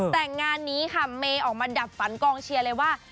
แต่งานนี้ค่ะเมย์ออกมาดับฝันกองเชียร์เลยว่า